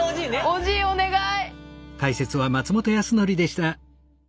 おじいお願い。